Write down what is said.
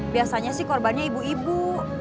biasanya sih korbannya ibu ibu